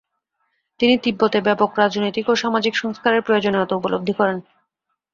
তিনি তিব্বতে ব্যাপক রাজনৈতিক ও সামাজিক সংস্কারের প্রয়োজনীয়তা উপলব্ধি করেন।